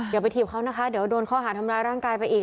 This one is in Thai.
อย่าไปถีบเขานะคะเดี๋ยวโดนข้อหาทำร้ายร่างกายไปอีก